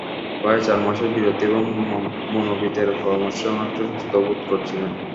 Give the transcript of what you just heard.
প্রায় চার মাসের বিরতি এবং মনোবিদের পরামর্শে অনেকটাই সুস্থ বোধ করছিলেন।